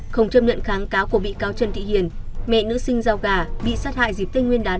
không chấp nhận kháng cáo của bị cáo trần thị hiền mẹ nữ sinh giao gà bị sát hại dịp tên nguyên đán hai nghìn một mươi chín